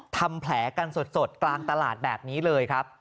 ทำแผลกันสดกลางตลาดแบบนี้เลยครับ